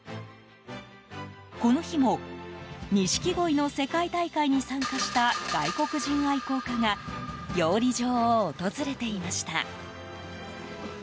この日も、錦鯉の世界大会に参加した外国人愛好家が養鯉場を訪れていました。